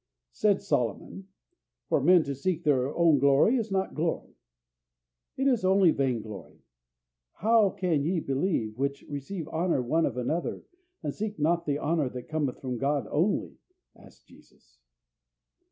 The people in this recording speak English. Said Solomon, "For men to seek their own glory is not glory," it is only vain glory. "How can ye believe, which receive honour one of another, and seek not the honour that cometh from God only?" asked Jesus.